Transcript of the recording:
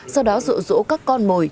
sau đó rộ rỗ các con mồi